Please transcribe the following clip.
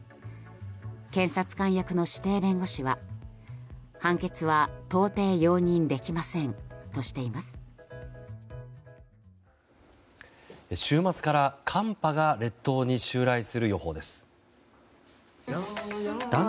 検察官役の指定弁護士は判決は、到底容認できませんとしています。